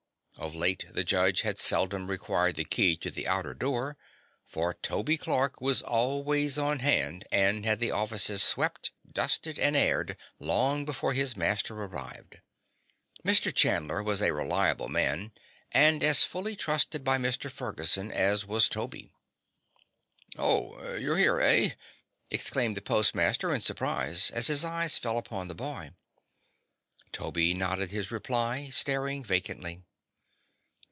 Of late years the judge had seldom required the key to the outer door, for Toby Clark was always on hand and had the offices swept, dusted and aired long before his master arrived. Mr. Chandler was a reliable man and as fully trusted by Mr. Ferguson as was Toby. "Oh, you're here, eh?" exclaimed the postmaster, in surprise, as his eyes fell upon the boy. Toby nodded his reply, staring vacantly.